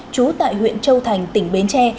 trú tại huyện châu thành tỉnh bến tre